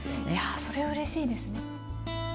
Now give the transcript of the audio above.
それうれしいですね。